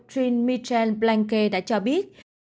jean michel blanquet đã cho biết